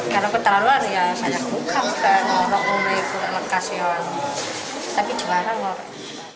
kalau ketahuan ya saya buka ngerok ngorok ngerok ngorok tapi jualan ngorok